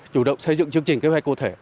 chủ động xây dựng chương trình kế hoạch cụ thể